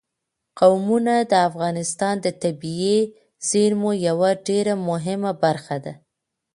قومونه د افغانستان د طبیعي زیرمو یوه ډېره مهمه برخه ده.